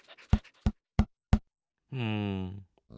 うん。